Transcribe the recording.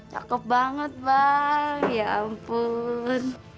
cakep banget bang ya ampun